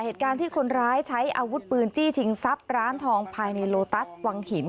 เหตุการณ์ที่คนร้ายใช้อาวุธปืนจี้ชิงทรัพย์ร้านทองภายในโลตัสวังหิน